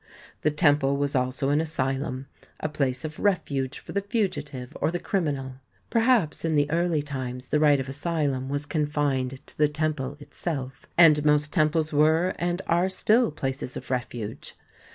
The temple was also an asylum, a place of refuge for the fugitive or the criminal. Perhaps in the early times the right of asylum was confined to the temple itself, and most temples were and are still o H) THE TEMPLE OF DIANA 117 places of refuge.